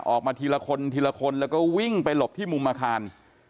ออกมาทีละคนทีละคนแล้วก็วิ่งไปหลบที่มุมอาคาร